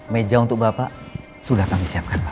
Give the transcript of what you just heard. meja untuk bapak sudah kami siapkan